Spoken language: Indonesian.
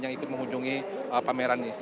yang ikut mengunjungi pamerannya